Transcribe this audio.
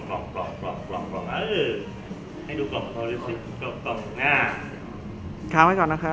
ก็คือเขาก็คงแบบว่าเขาคงงงไม่ได้รู้ทำไมโพสต์ขายแต่ครบ